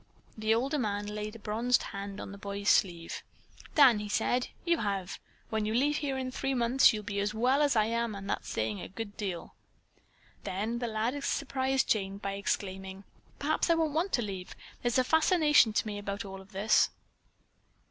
The older man laid a bronzed hand on the boy's sleeve. "Dan," he said, "you have. When you leave here in three months you'll be as well as I am, and that's saying a good deal." Then the lad surprised Jane by exclaiming: "Perhaps I won't want to leave. There's a fascination to me about all this."